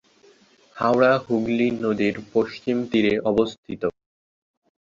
হাওড়া হুগলি নদীর পশ্চিম তীরে অবস্থিত।